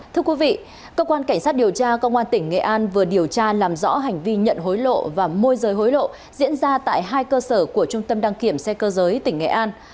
thưa quý vị cơ quan cảnh sát điều tra công an tỉnh nghệ an vừa điều tra làm rõ hành vi nhận hối lộ và môi rời hối lộ diễn ra tại hai cơ sở của trung tâm đăng kiểm xe cơ giới tỉnh nghệ an